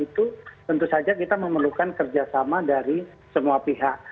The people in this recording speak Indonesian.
itu tentu saja kita memerlukan kerjasama dari semua pihak